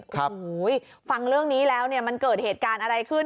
โอ้โหฟังเรื่องนี้แล้วเนี่ยมันเกิดเหตุการณ์อะไรขึ้น